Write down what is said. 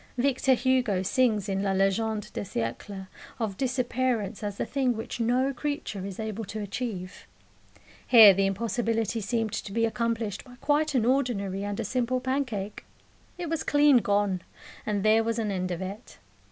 Victor Hugo sings in La Legende des Siecles of disappearance as the thing which no creature is able to achieve: here the impossibility seemed to be accomplished by quite an ordinary and a simple pancake. It was clean gone, and there was an end of it.